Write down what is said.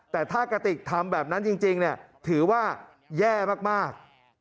แต่ถ้ากระติกทำแบบนั้นจริงถือว่าแย่มาก